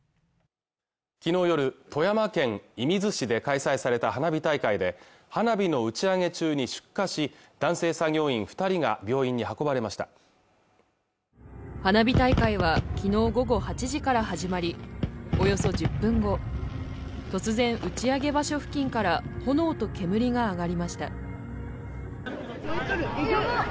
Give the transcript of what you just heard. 昨日夜富山県射水市で開催された花火大会で花火の打ち上げ中に出火し男性作業員二人が病院に運ばれました花火大会はきのう午後８時から始まりおよそ１０分後突然打ち上げ場所付近から炎と煙が上がりました